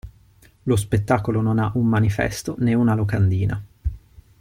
Lo spettacolo non ha un manifesto, né una locandina.